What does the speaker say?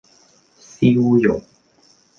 燒肉